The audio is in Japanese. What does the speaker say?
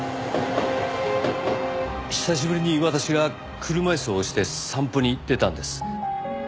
久しぶりに私が車椅子を押して散歩に出たんです。